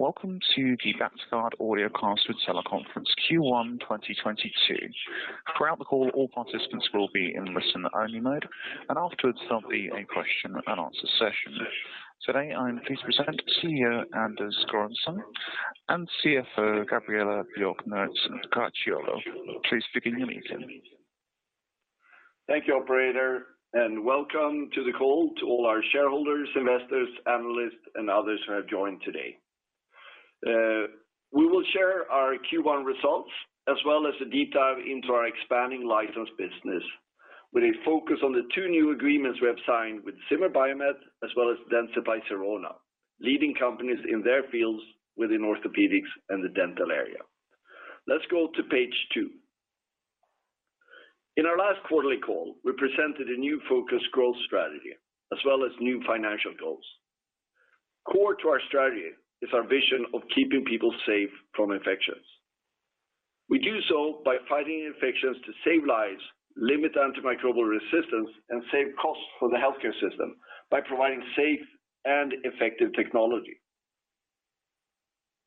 Welcome to the Bactiguard Audiocast with Teleconference Q1 2022. Throughout the call, all participants will be in listen-only mode, and afterwards there'll be a question and answer session. Today, I'm pleased to present CEO Anders Göransson and CFO Gabriella Björknert Caracciolo. Please begin your meeting. Thank you, operator, and welcome to the call to all our shareholders, investors, analysts, and others who have joined today. We will share our Q1 results as well as the deep dive into our expanding license business, with a focus on the two new agreements we have signed with Zimmer Biomet as well as Dentsply Sirona, leading companies in their fields within orthopedics and the dental area. Let's go to page two. In our last quarterly call, we presented a new focused growth strategy as well as new financial goals. Core to our strategy is our vision of keeping people safe from infections. We do so by fighting infections to save lives, limit antimicrobial resistance, and save costs for the healthcare system by providing safe and effective technology.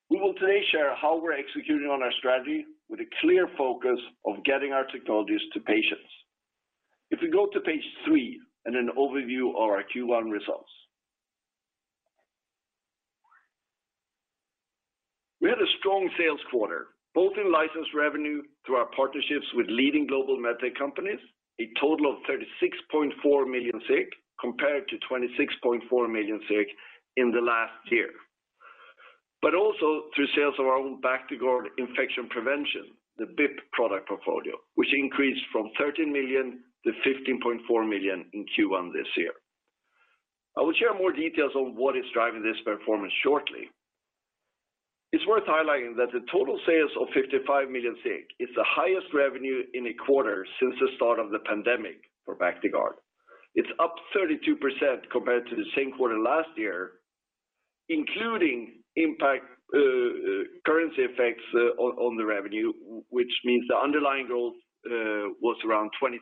We will today share how we're executing on our strategy with a clear focus of getting our technologies to patients. If we go to page three and an overview of our Q1 results. We had a strong sales quarter, both in license revenue through our partnerships with leading global med tech companies, a total of 36.4 million, compared to 26.4 million in the last year. Also through sales of our own Bactiguard Infection Protection, the BIP product portfolio, which increased from 13 million-15.4 million in Q1 this year. I will share more details on what is driving this performance shortly. It's worth highlighting that the total sales of 55 million is the highest revenue in a quarter since the start of the pandemic for Bactiguard. It's up 32% compared to the same quarter last year, including impact, currency effects on the revenue, which means the underlying growth was around 23%.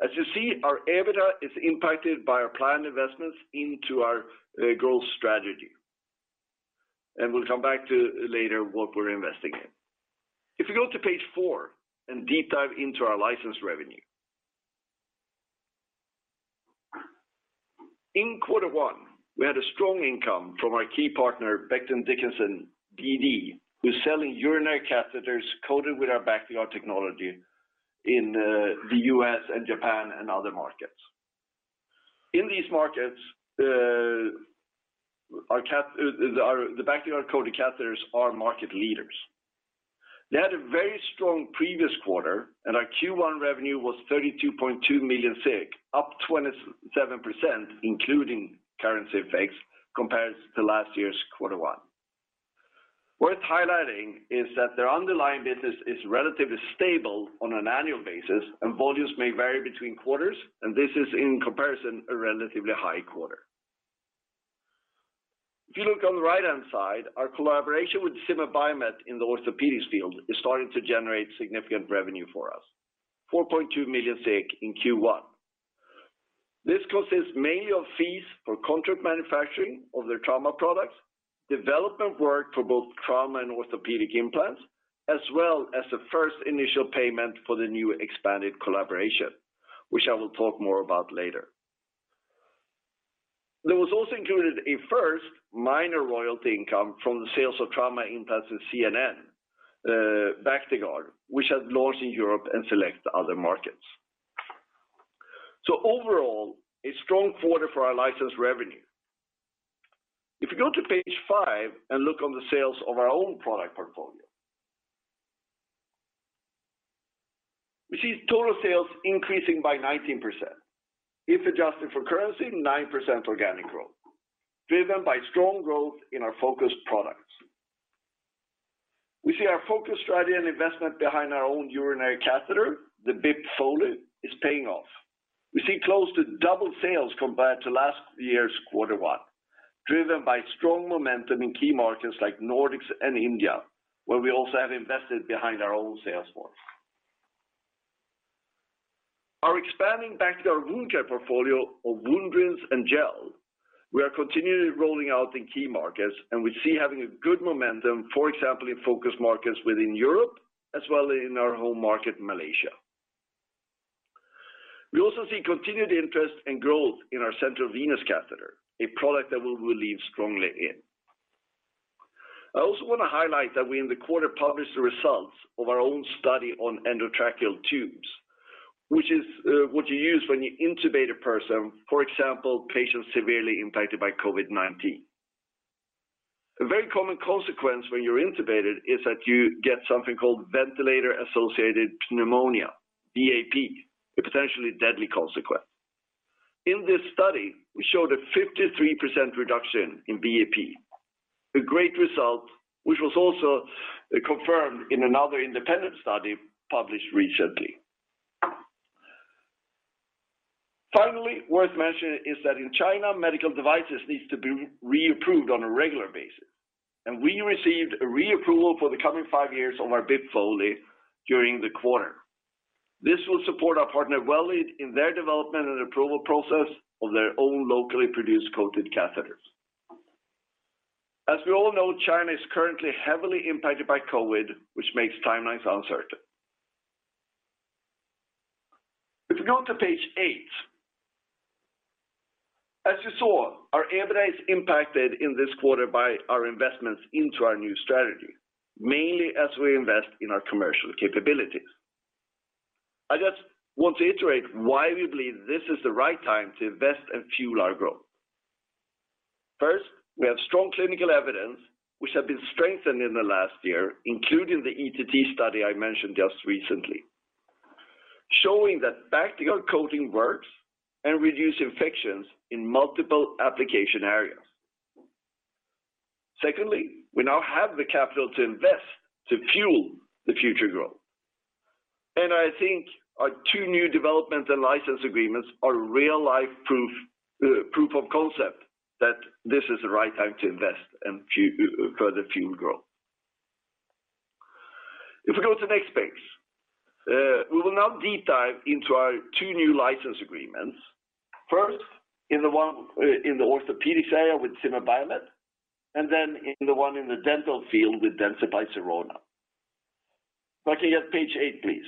As you see, our EBITDA is impacted by our planned investments into our growth strategy. We'll come back to later what we're investing in. If you go to page four and deep dive into our license revenue. In quarter one, we had a strong income from our key partner, Becton Dickinson, BD, who's selling urinary catheters coated with our Bactiguard technology in the U.S. and Japan and other markets. In these markets, our Bactiguard coated catheters are market leaders. They had a very strong previous quarter, and our Q1 revenue was 32.2 million, up 27%, including currency effects, compared to last year's quarter one. Worth highlighting is that their underlying business is relatively stable on an annual basis, and volumes may vary between quarters, and this is in comparison a relatively high quarter. If you look on the right-hand side, our collaboration with Zimmer Biomet in the orthopedics field is starting to generate significant revenue for us, 4.2 million in Q1. This consists mainly of fees for contract manufacturing of their trauma products, development work for both trauma and orthopedic implants, as well as the first initial payment for the new expanded collaboration, which I will talk more about later. There was also included a first minor royalty income from the sales of trauma implants in ZNN Bactiguard, which has launched in Europe and select other markets. Overall, a strong quarter for our license revenue. If you go to page five and look on the sales of our own product portfolio. We see total sales increasing by 19%. If adjusted for currency, 9% organic growth, driven by strong growth in our focused products. We see our focus strategy and investment behind our own urinary catheter, the BIP Foley, is paying off. We see close to double sales compared to last year's quarter one, driven by strong momentum in key markets like Nordics and India, where we also have invested behind our own sales force. Our expanding Bactiguard wound care portfolio of wound rinse and gel, we are continually rolling out in key markets, and we see having a good momentum, for example, in focus markets within Europe, as well as in our home market, Malaysia. We also see continued interest and growth in our central venous catheter, a product that we believe strongly in. I also want to highlight that we in the quarter published the results of our own study on endotracheal tubes, which is what you use when you intubate a person, for example, patients severely impacted by COVID-19. A very common consequence when you're intubated is that you get something called ventilator-associated pneumonia, VAP, a potentially deadly consequence. In this study, we showed a 53% reduction in VAP, a great result, which was also confirmed in another independent study published recently. Finally, worth mentioning is that in China, medical devices needs to be reapproved on a regular basis, and we received a reapproval for the coming 5 years of our BIP Foley during the quarter. This will support our partner well in their development and approval process of their own locally produced coated catheters. As we all know, China is currently heavily impacted by COVID, which makes timelines uncertain. If you go to page 8, as you saw, our EBITDA is impacted in this quarter by our investments into our new strategy, mainly as we invest in our commercial capabilities. I just want to iterate why we believe this is the right time to invest and fuel our growth. First, we have strong clinical evidence which have been strengthened in the last year, including the ETT study I mentioned just recently, showing that Bactiguard coating works and reduce infections in multiple application areas. Secondly, we now have the capital to invest to fuel the future growth. I think our two new development and license agreements are real-life proof of concept that this is the right time to invest and further fuel growth. If we go to the next page, we will now deep dive into our two new license agreements. First, in the one, in the orthopedics area with Zimmer Biomet, and then in the one in the dental field with Dentsply Sirona. If I can get page eight, please.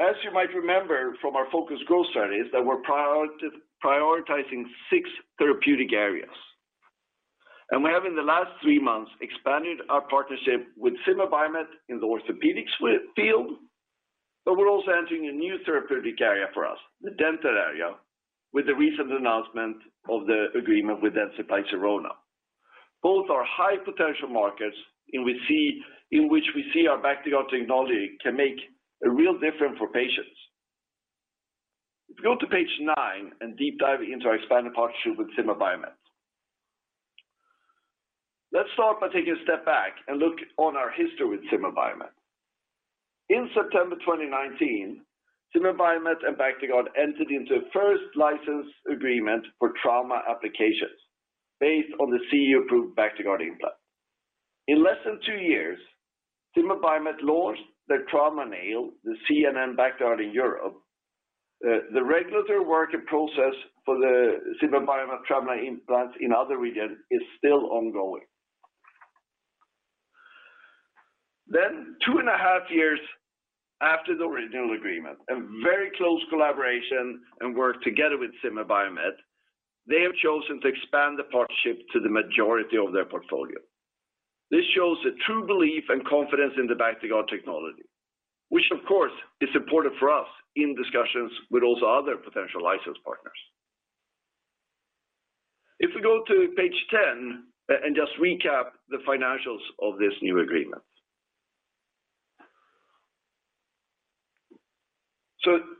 As you might remember from our focused growth strategies that we're prioritizing six therapeutic areas. We have in the last three months expanded our partnership with Zimmer Biomet in the orthopedics field, but we're also entering a new therapeutic area for us, the dental area, with the recent announcement of the agreement with Dentsply Sirona. Both are high potential markets, in which we see our bacterial technology can make a real difference for patients. If you go to page 9 and deep dive into our expanded partnership with Zimmer Biomet. Let's start by taking a step back and look on our history with Zimmer Biomet. In September 2019, Zimmer Biomet and Bactiguard entered into a first license agreement for trauma applications based on the CE-approved Bactiguard implant. In less than two years, Zimmer Biomet launched their trauma nail, the ZNN Bactiguard in Europe. The regulatory work and process for the Zimmer Biomet trauma implants in other regions is still ongoing. Two and a half years after the original agreement and very close collaboration and work together with Zimmer Biomet, they have chosen to expand the partnership to the majority of their portfolio. This shows a true belief and confidence in the Bactiguard technology, which of course is supportive for us in discussions with also other potential license partners. If we go to page 10 and just recap the financials of this new agreement.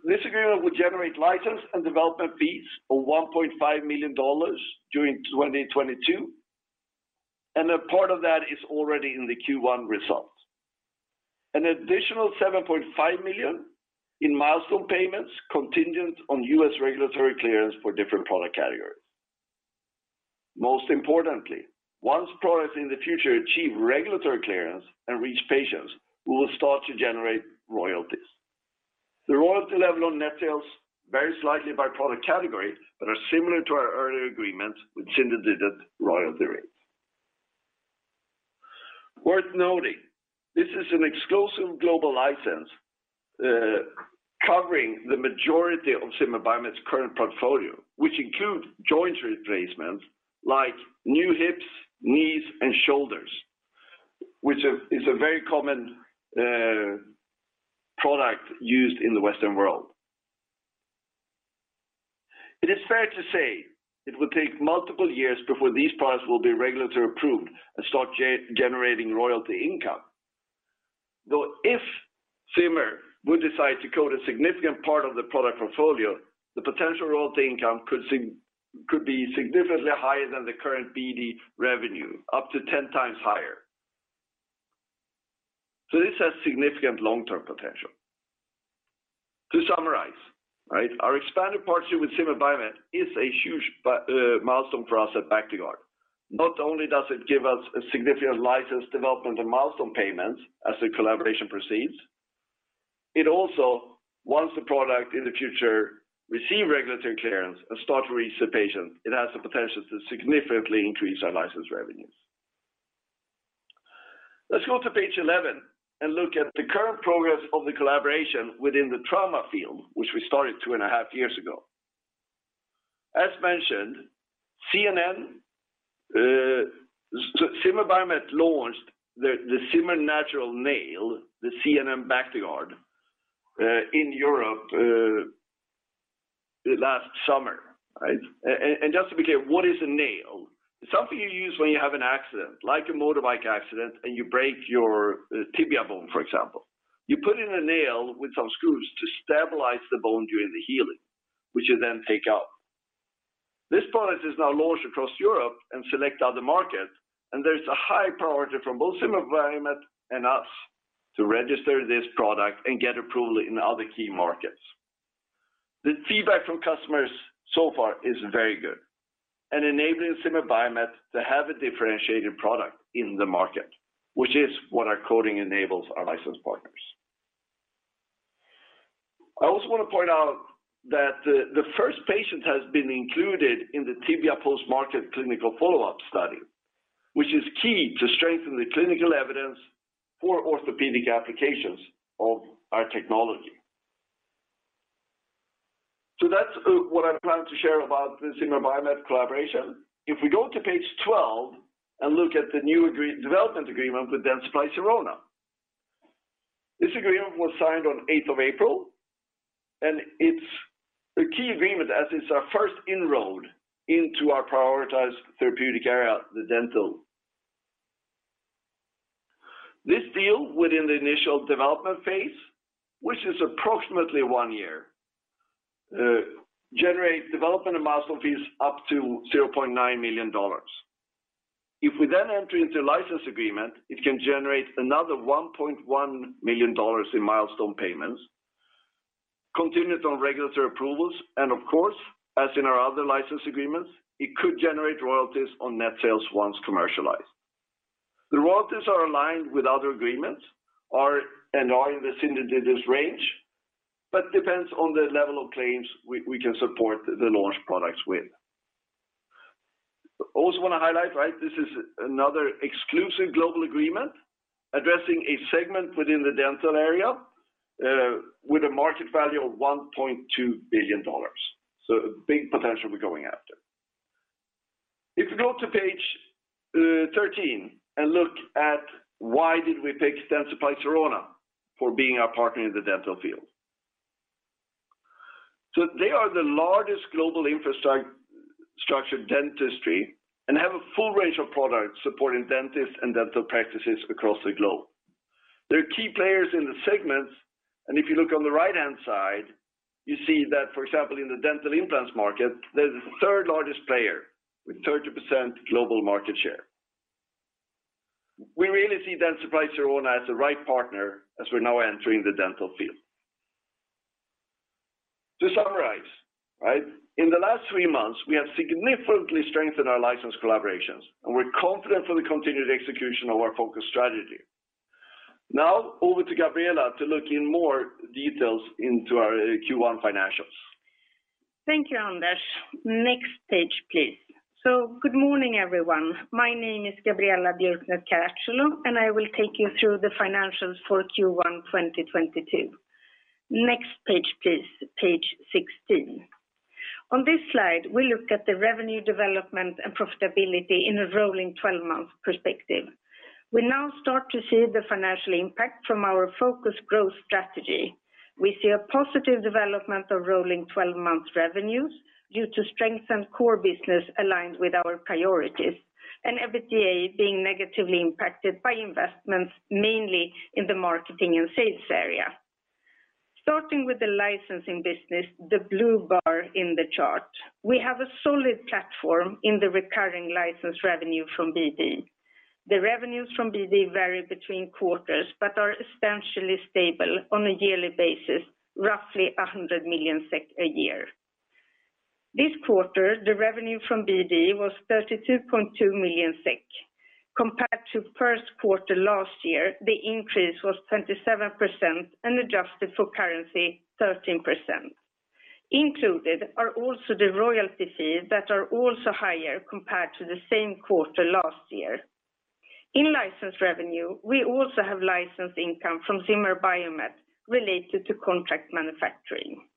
This agreement will generate license and development fees of $1.5 million during 2022, and a part of that is already in the Q1 results. An additional $7.5 million in milestone payments contingent on U.S. regulatory clearance for different product categories. Most importantly, once products in the future achieve regulatory clearance and reach patients, we will start to generate royalties. The royalty level on net sales varies slightly by product category, but are similar to our earlier agreement, which indicated royalty rates. Worth noting, this is an exclusive global license, covering the majority of Zimmer Biomet's current portfolio, which is a very common product used in the Western world. It is fair to say it will take multiple years before these products will be regulatory approved and start generating royalty income. Though if Zimmer would decide to coat a significant part of the product portfolio, the potential royalty income could be significantly higher than the current BD revenue, up to 10x higher. This has significant long-term potential. To summarize, right, our expanded partnership with Zimmer Biomet is a huge milestone for us at Bactiguard. Not only does it give us a significant license development and milestone payments as the collaboration proceeds, it also, once the product in the future receive regulatory clearance and start to reach the patient, it has the potential to significantly increase our license revenues. Let's go to page 11 and look at the current progress of the collaboration within the trauma field, which we started 2.5 years ago. As mentioned, ZNN Zimmer Biomet launched the Zimmer Natural Nail, the ZNN Bactiguard, in Europe last summer, right? And just to be clear, what is a nail? It's something you use when you have an accident, like a motorbike accident, and you break your tibia bone, for example. You put in a nail with some screws to stabilize the bone during the healing, which you then take out. This product is now launched across Europe and select other markets, and there's a high priority from both Zimmer Biomet and us to register this product and get approval in other key markets. The feedback from customers so far is very good and enabling Zimmer Biomet to have a differentiated product in the market, which is what our coating enables our licensed partners. I also wanna point out that the first patient has been included in the tibia post-market clinical follow-up study, which is key to strengthen the clinical evidence for orthopedic applications of our technology. That's what I plan to share about the Zimmer Biomet collaboration. If we go to page 12 and look at the new development agreement with Dentsply Sirona. This agreement was signed on eighth of April, and it's a key agreement as it's our first inroad into our prioritized therapeutic area, the dental. This deal within the initial development phase, which is approximately one year, generate development of milestone fees up to $0.9 million. If we then enter into a license agreement, it can generate another $1.1 million in milestone payments, contingent on regulatory approvals. Of course, as in our other license agreements, it could generate royalties on net sales once commercialized. The royalties are aligned with other agreements and are in the single digits range, but depends on the level of claims we can support the launch products with. Also wanna highlight, right, this is another exclusive global agreement addressing a segment within the dental area, with a market value of $1.2 billion. A big potential we're going after. If you go to page 13 and look at why did we pick Dentsply Sirona for being our partner in the dental field. They are the largest global infrastructure dentistry and have a full range of products supporting dentists and dental practices across the globe. They're key players in the segments, and if you look on the right-hand side, you see that, for example, in the dental implants market, they're the third largest player with 30% global market share. We really see Dentsply Sirona as the right partner as we're now entering the dental field. To summarize, right, in the last three months, we have significantly strengthened our license collaborations, and we're confident for the continued execution of our focus strategy. Now over to Gabriella to look in more details into our Q1 financials. Thank you, Anders. Next page, please. Good morning, everyone. My name is Gabriella Björknert Caracciolo, and I will take you through the financials for Q1 2022. Next page, please. Page 16. On this slide, we look at the revenue development and profitability in a rolling 12-month perspective. We now start to see the financial impact from our focus growth strategy. We see a positive development of rolling 12-month revenues due to strengthened core business aligned with our priorities and EBITDA being negatively impacted by investments mainly in the marketing and sales area. Starting with the licensing business, the blue bar in the chart. We have a solid platform in the recurring license revenue from BD. The revenues from BD vary between quarters but are essentially stable on a yearly basis, roughly 100 million SEK a year. This quarter, the revenue from BD was 32.2 million SEK. Compared to first quarter last year, the increase was 27% and adjusted for currency, 13%. Included are also the royalty fees that are also higher compared to the same quarter last year. In license revenue, we also have license income from Zimmer Biomet related to contract manufacturing.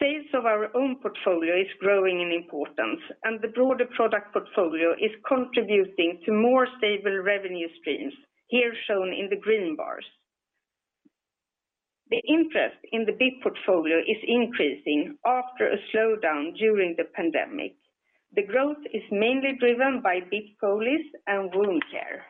Sales of our own portfolio is growing in importance, and the broader product portfolio is contributing to more stable revenue streams, here shown in the green bars. The interest in the BIP portfolio is increasing after a slowdown during the pandemic. The growth is mainly driven by BIP Foley and Wound Care.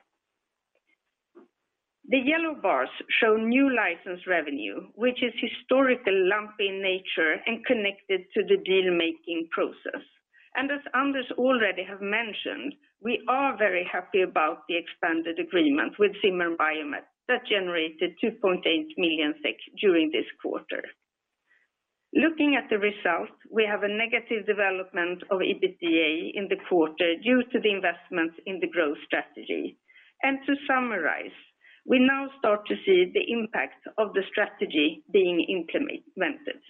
The yellow bars show new license revenue, which is historically lumpy in nature and connected to the deal-making process. As Anders already have mentioned, we are very happy about the expanded agreement with Zimmer Biomet that generated 2.8 million SEK during this quarter. Looking at the results, we have a negative development of EBITDA in the quarter due to the investments in the growth strategy. To summarize, we now start to see the impact of the strategy being implemented.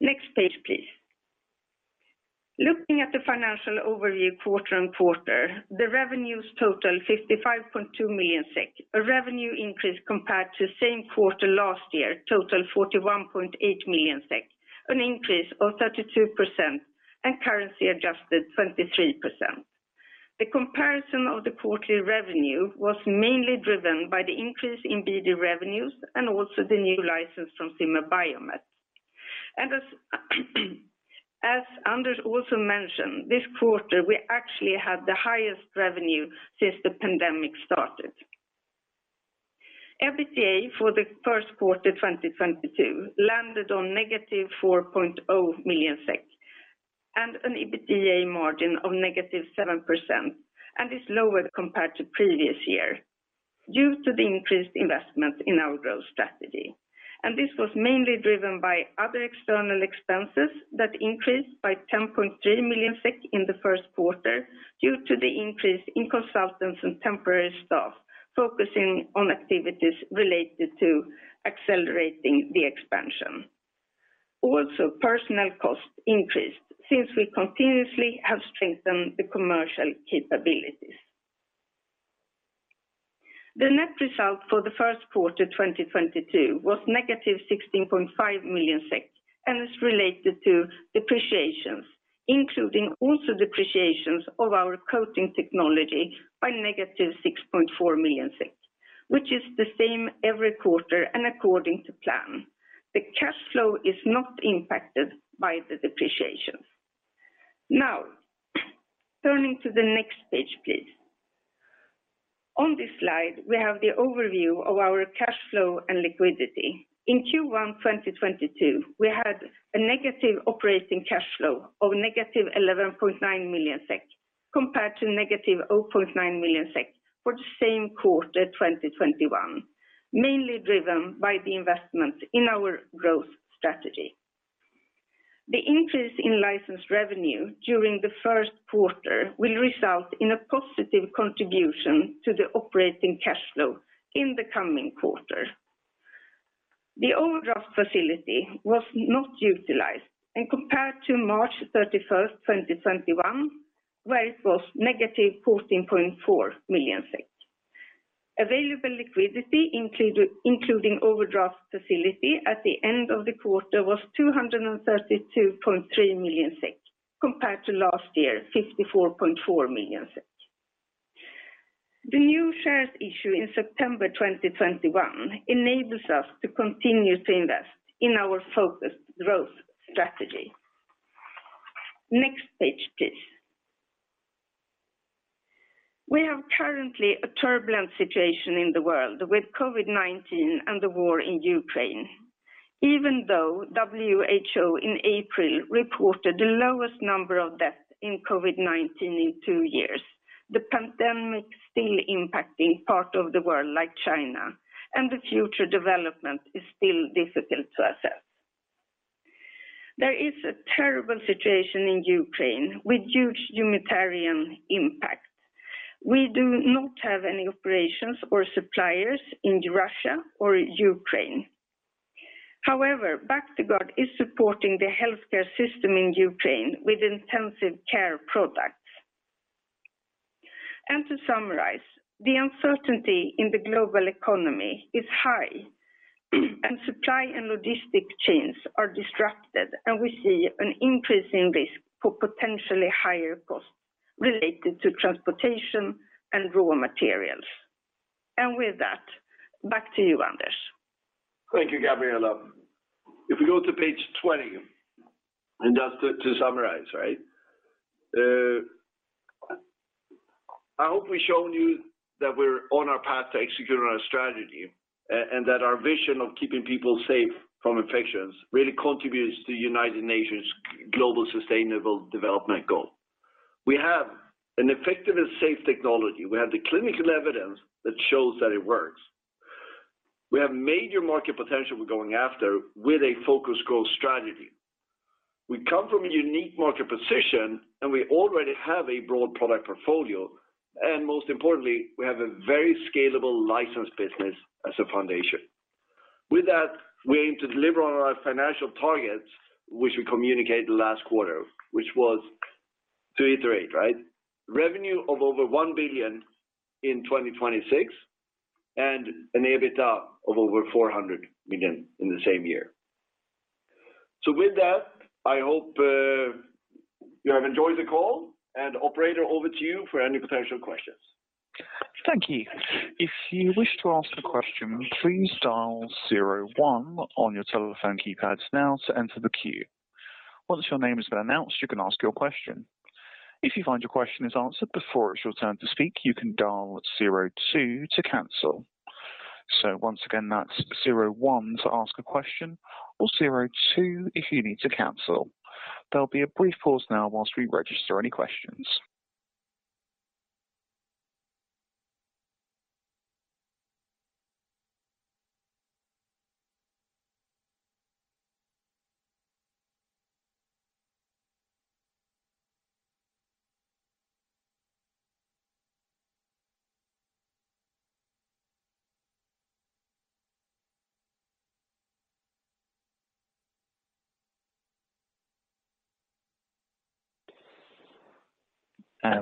Next page, please. Looking at the financial overview quarter-on-quarter, the revenues total 55.2 million SEK, a revenue increase compared to same quarter last year, total 41.8 million SEK, an increase of 32% and currency adjusted 23%. The comparison of the quarterly revenue was mainly driven by the increase in BD revenues and also the new license from Zimmer Biomet. As Anders also mentioned, this quarter, we actually had the highest revenue since the pandemic started. EBITDA for the first quarter 2022 landed on -4.0 million SEK. An EBITDA margin of -7% and is lower compared to previous year due to the increased investment in our growth strategy. This was mainly driven by other external expenses that increased by 10.3 million SEK in the first quarter due to the increase in consultants and temporary staff focusing on activities related to accelerating the expansion. Also, personnel costs increased since we continuously have strengthened the commercial capabilities. The net result for the first quarter 2022 was -16.5 million SEK, and it's related to depreciations, including also depreciations of our coating technology by -6.4 million SEK, which is the same every quarter and according to plan. The cash flow is not impacted by the depreciation. Now turning to the next page, please. On this slide, we have the overview of our cash flow and liquidity. In Q1 2022, we had a negative operating cash flow of -11.9 million SEK compared to -0.9 million SEK for the same quarter 2021, mainly driven by the investment in our growth strategy. The increase in license revenue during the first quarter will result in a positive contribution to the operating cash flow in the coming quarter. The overdraft facility was not utilized and compared to March 31, 2021, where it was -14.4 million SEK. Available liquidity including overdraft facility at the end of the quarter was 232.3 million SEK compared to last year, 54.4 million SEK. The new shares issue in September 2021 enables us to continue to invest in our focused growth strategy. Next page, please. We have currently a turbulent situation in the world with COVID-19 and the war in Ukraine. Even though WHO in April reported the lowest number of deaths in COVID-19 in two years, the pandemic still impacting part of the world like China, and the future development is still difficult to assess. There is a terrible situation in Ukraine with huge humanitarian impact. We do not have any operations or suppliers in Russia or Ukraine. However, Bactiguard is supporting the healthcare system in Ukraine with intensive care products. To summarize, the uncertainty in the global economy is high, and supply and logistics chains are disrupted, and we see an increase in risk for potentially higher costs related to transportation and raw materials. With that, back to you, Anders. Thank you, Gabriella. If we go to page 20, and that's to summarize, right? I hope we've shown you that we're on our path to executing our strategy and that our vision of keeping people safe from infections really contributes to United Nations global sustainable development goal. We have an effective and safe technology. We have the clinical evidence that shows that it works. We have major market potential we're going after with a focus growth strategy. We come from a unique market position, and we already have a broad product portfolio. Most importantly, we have a very scalable license business as a foundation. With that, we aim to deliver on our financial targets, which we communicated last quarter. Which was to reiterate, right? Revenue of over 1 billion in 2026 and an EBITDA of over 400 million in the same year. With that, I hope you have enjoyed the call. Operator, over to you for any potential questions. Thank you. If you wish to ask a question, please dial zero one on your telephone keypads now to enter the queue. Once your name has been announced, you can ask your question. If you find your question is answered before it's your turn to speak, you can dial zero two to cancel. Once again, that's zero one to ask a question or zero two if you need to cancel. There'll be a brief pause now while we register any questions.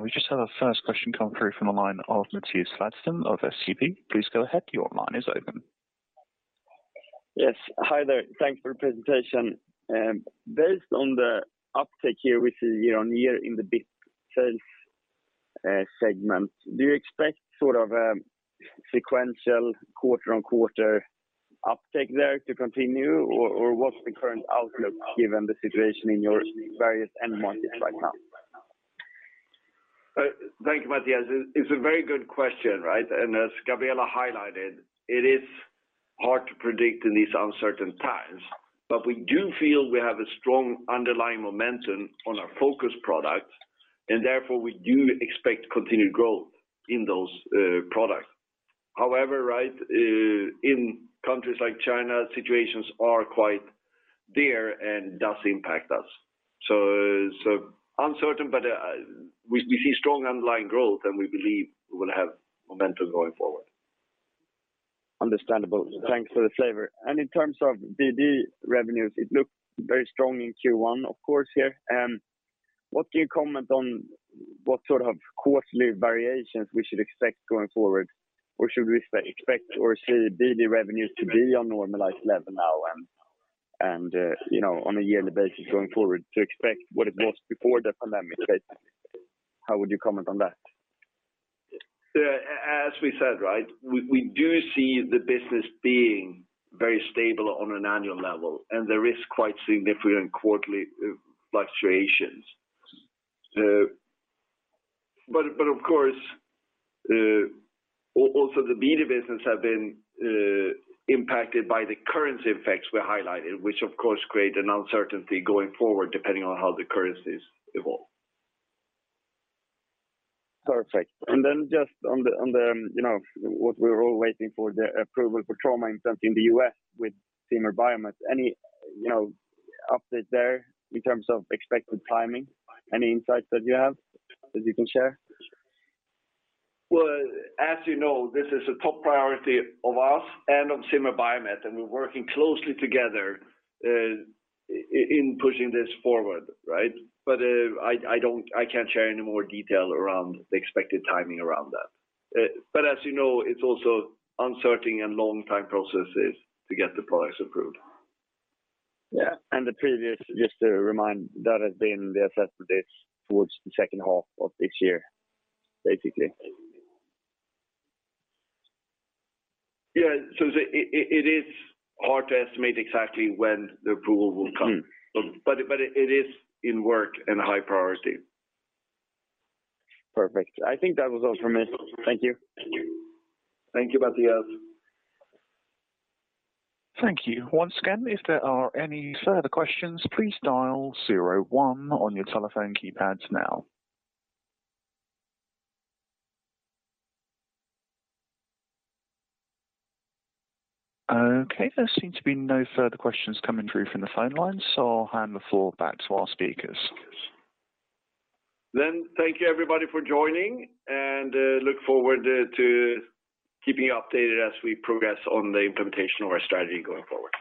We just have our first question come through from the line of Mattias Vadsten of SEB. Please go ahead. Your line is open. Yes. Hi there. Thanks for the presentation. Based on the uptake here with the year-on-year in the BIP sales segment, do you expect sort of a sequential quarter-on-quarter uptake there to continue, or what's the current outlook given the situation in your various end markets right now? Thank you, Mattias. It's a very good question, right? As Gabriella highlighted, it is hard to predict in these uncertain times. We do feel we have a strong underlying momentum on our focus products, and therefore we do expect continued growth in those, products. However, right, in countries like China, situations are quite there and does impact us. So uncertain, but, we see strong underlying growth, and we believe we will have momentum going forward. Understandable. Thanks for the flavor. In terms of BD revenues, it looked very strong in Q1, of course, here. What do you comment on what sort of quarterly variations we should expect going forward? Or should we expect or see BD revenues to be on normalized level now and, you know, on a yearly basis going forward to expect what it was before the pandemic, right? How would you comment on that? Yeah. As we said, right, we do see the business being very stable on an annual level, and there is quite significant quarterly fluctuations. Of course, also the BD business have been impacted by the currency effects we highlighted, which of course create an uncertainty going forward, depending on how the currencies evolve. Perfect. Just on the, you know, what we're all waiting for, the approval for trauma implant in the U.S. with Zimmer Biomet. Any, you know, update there in terms of expected timing? Any insights that you have that you can share? Well, as you know, this is a top priority of us and on Zimmer Biomet, and we're working closely together in pushing this forward, right? I can't share any more detail around the expected timing around that. As you know, it's also uncertain and long time processes to get the products approved. Yeah. The previous, just to remind, that has been the assessment dates towards the second half of this year, basically. Yeah. It is hard to estimate exactly when the approval will come. Mm-hmm. It is in work and high priority. Perfect. I think that was all from me. Thank you. Thank you, Mattias. Thank you. Once again, if there are any further questions, please dial zero one on your telephone keypads now. Okay, there seem to be no further questions coming through from the phone lines, so I'll hand the floor back to our speakers. Thank you everybody for joining, and look forward to keeping you updated as we progress on the implementation of our strategy going forward.